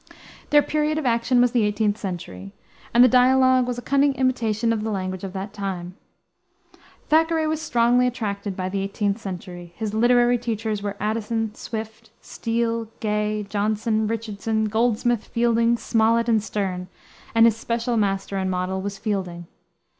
Their period of action was the 18th century, and the dialogue was a cunning imitation of the language of that time. Thackeray was strongly attracted by the 18th century. His literary teachers were Addison, Swift, Steele, Gay, Johnson, Richardson, Goldsmith, Fielding, Smollett, and Sterne, and his special master and model was Fielding.